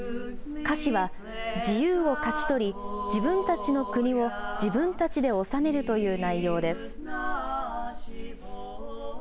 歌詞は自由を勝ち取り、自分たちの国を自分たちで治めるという内容です。